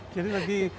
jadi lagi kecelakaan